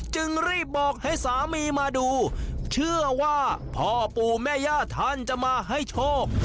จึงรีบบอกให้สามีมาดูเชื่อว่าพ่อปู่แม่ย่าท่านจะมาให้โชค